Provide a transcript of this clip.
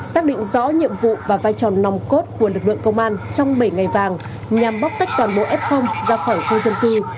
xác định rõ nhiệm vụ và vai trò nòng cốt của lực lượng công an trong bảy ngày vàng nhằm bóc tách toàn bộ f ra khỏi khu dân cư